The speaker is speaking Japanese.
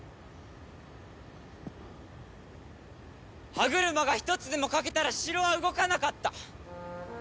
歯車が一つでも欠けたら城は動かなかった。